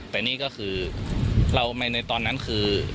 แต่นี่ก็คือเราในตอนนั้นคือ